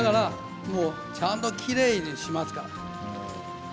ちゃんときれいにしますから。